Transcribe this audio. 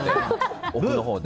奥のほうで。